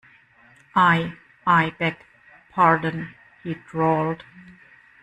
I, I beg pardon, he drawled.